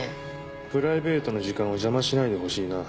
プライベートの時間を邪魔しないでほしいな。